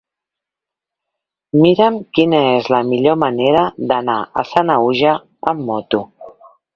Mira'm quina és la millor manera d'anar a Sanaüja amb moto.